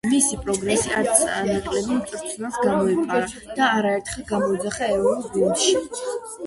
მისი პროგრესი არც ნაკრების მწვრთნელს გამოეპარა და არაერთხელ გამოიძახა ეროვნულ გუნდში.